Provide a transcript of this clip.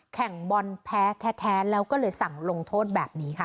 แข่งบอลแพ้แท้แล้วก็เลยสั่งลงโทษแบบนี้ค่ะ